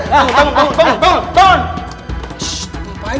bangun bangun bangun